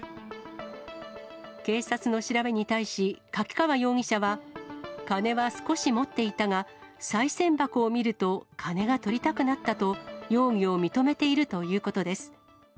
警察の調べに対し、柿川容疑者は、金は少し持っていたが、さい銭箱を見ると、金がとりたくなったと、容疑を認めているということです。